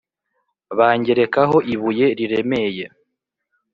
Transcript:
bangerekaho ibuye riremeye